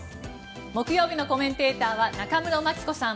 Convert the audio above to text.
木曜日のコメンテーターは中室牧子さん